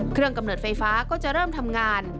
เครื่องกำเนิดไฟฟ้าก็จะเริ่มทำงาน